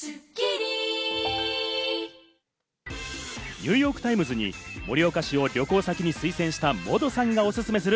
ニューヨーク・タイムズに盛岡市を旅行先に推薦したモドさんがおすすめする